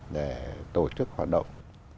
để tổ chức hoạt động